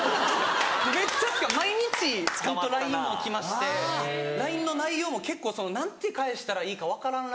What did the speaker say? めっちゃというか毎日ＬＩＮＥも来ましてＬＩＮＥの内容も何て返したらいいか分からんＬＩＮＥが。